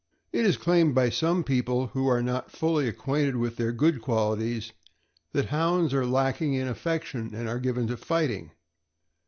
It is claimed by some people who are not fully ac quainted with their good qualities that Hounds are lacking in affection, and are given to fighting.